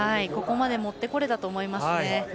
ここまで持ってこれたと思います。